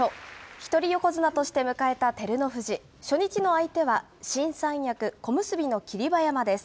一人横綱として迎えた照ノ富士、初日の相手は新三役、小結の霧馬山です。